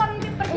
masih gak bohong